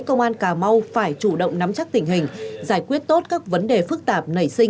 công an cà mau phải chủ động nắm chắc tình hình giải quyết tốt các vấn đề phức tạp